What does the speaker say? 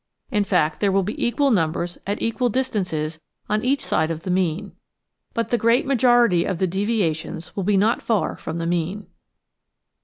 In fact, there will be equal numbers at equal distances on each side of the mean. How Darwinism Stands To Day 371 but the great majority of the deviations will be not far from the mean.